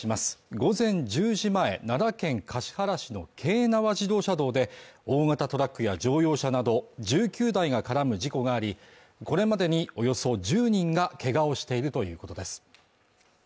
午前１０時前奈良県橿原市の京奈和自動車道で大型トラックや乗用車など１９台が絡む事故がありこれまでにおよそ１０人がけがをしているということです